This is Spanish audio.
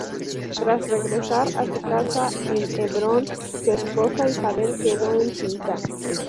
Tras regresar a su casa, en Hebrón, su esposa Isabel quedó encinta.